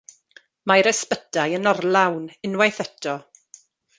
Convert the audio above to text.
Mae'r ysbytai yn orlawn unwaith eto.